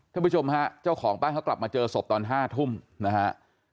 ท่านผู้ชมฮะเจ้าของบ้านเขากลับมาเจอศพตอน๕ทุ่มนะฮะ